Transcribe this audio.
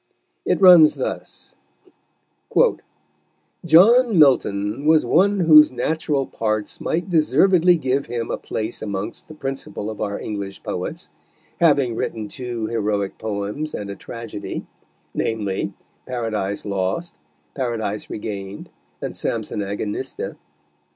It runs thus: "John Milton was one whose natural parts might deservedly give him a place amongst the principal of our English Poets, having written two Heroick Poems and a Tragedy, namely Paradice Lost, Paradice Regain'd, and Sampson Agonista.